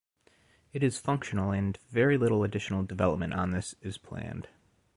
It is functional and very little additional development on this is planned.